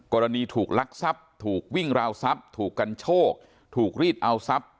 กรณีถูกลักทรัพย์ถูกวิ่งราวทรัพย์ถูกกันโชคถูกรีดเอาทรัพย์